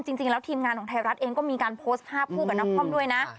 จริงแล้วทีมงานของไทยรัฐเองก็มีการโพสต์ภาพคู่กับนครด้วยนะ